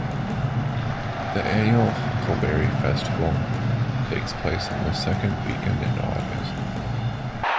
The annual Huckleberry Festival takes place on the second weekend in August.